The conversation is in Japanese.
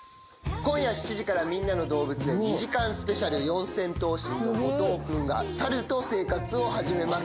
今夜７時から、『みんなのどうぶつ園』２時間スペシャルで四千頭身の後藤くんがサルと生活を始めます。